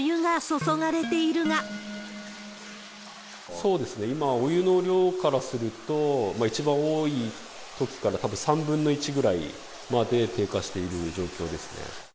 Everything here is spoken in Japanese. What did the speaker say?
あっ、今、お湯の量からすると、一番多いときからたぶん３分の１ぐらいまで低下している状況ですね。